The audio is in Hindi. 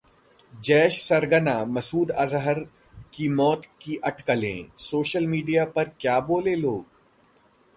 जैश सरगना मसूद अजहर की मौत की अटकलें, सोशल मीडिया पर क्या बोले लोग?